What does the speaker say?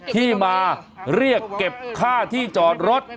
ที่มาเรียกเก็บค่าที่จอดรถ